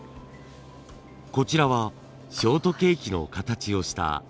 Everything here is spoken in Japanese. こちらはショートケーキの形をした小物入れ。